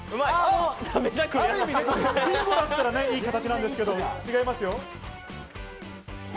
ビンゴだったらいい形なんですけれど、違いますよ。